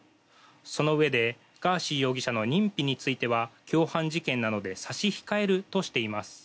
そのうえでガーシー容疑者の認否については共犯事件なので差し控えるとしています。